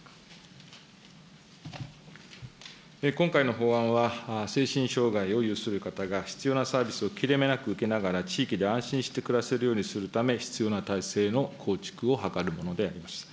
今回の法案は、精神障害を有する方が必要なサービスを切れ目なく受けながら、地域で安心して暮らせるようにするため、必要な体制の構築を図るものであります。